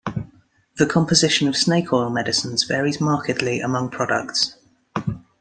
The composition of snake oil medicines varies markedly among products.